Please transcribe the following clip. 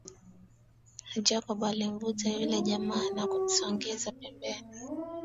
Jacob alimvuta yule jamaa na kumsogeza pembeni